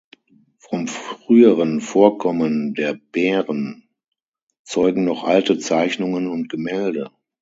Vom früheren Vorkommen der Bären zeugen noch alte Zeichnungen und Gemälde.